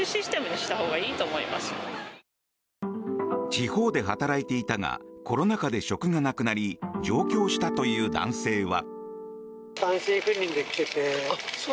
地方で働いていたがコロナ禍で職がなくなり上京したという男性は。